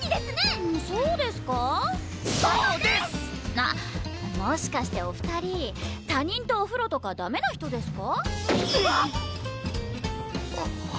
あっもしかしてお二人他人とお風呂とかダメな人ですか？